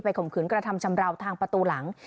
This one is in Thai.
ข่มขืนกระทำชำราวทางประตูหลัง